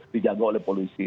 dijaga oleh polisi